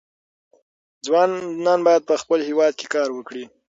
ځوانان باید په خپل هېواد کې کار وکړي.